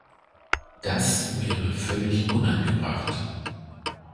Das wäre völlig unangebracht.